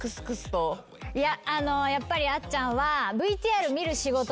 やっぱりあっちゃんは。